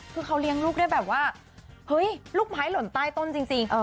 คือเขาเลี้ยงลูกได้แบบว่าเฮ้ยลูกไม้หล่นใต้ต้นจริง